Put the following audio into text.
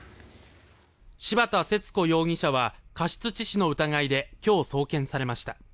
柴田節子容疑者は過失致死の疑いで今日、送検されました。